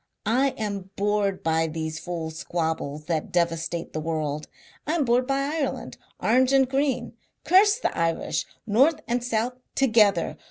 I am bored by these fools' squabbles that devastate the world. I am bored by Ireland, Orange and Green. Curse the Irish north and south together!